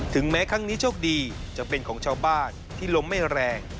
แม้ครั้งนี้โชคดีจะเป็นของชาวบ้านที่ล้มไม่แรง